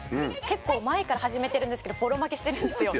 結構前から始めてるんですけどボロ負けしてるんですよ。